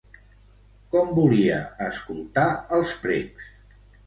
Com volia escoltar els precs?